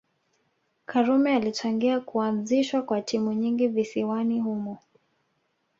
Karume alichangia kuazishwa kwa timu nyingi visiwani humo